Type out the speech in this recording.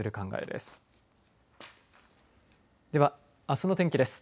では、あすの天気です。